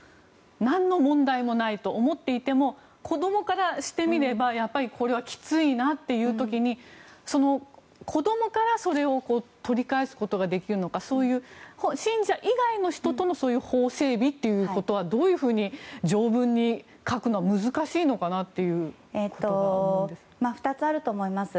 何の問題もないと思っていても子供からしてみれば、やっぱりこれはきついなという時に子供から、それを取り返すことができるのか信者以外の人との法整備ということはどういうふうに条文に書くのは２つあると思います。